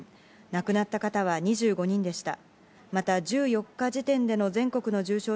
亡くなった方は２５人でした。